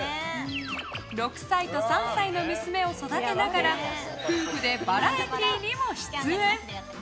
６歳と３歳の娘を育てながら夫婦でバラエティーにも出演。